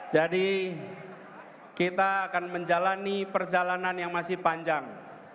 jadi kita akan menjalani perjalanan yang masih panjang